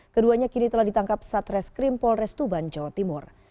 keduanya kini telah ditangkap saat reskrim polres tuban jawa timur